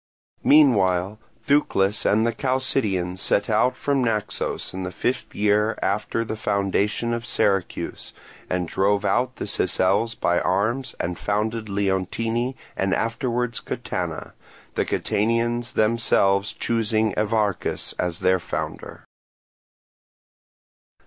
Meanwhile Thucles and the Chalcidians set out from Naxos in the fifth year after the foundation of Syracuse, and drove out the Sicels by arms and founded Leontini and afterwards Catana; the Catanians themselves choosing Evarchus as their founder.